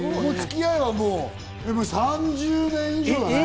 付き合いは３０年以上。